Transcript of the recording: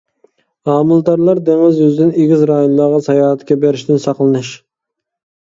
ھامىلىدارلار دېڭىز يۈزىدىن ئېگىز رايونلارغا ساياھەتكە بېرىشتىن ساقلىنىش.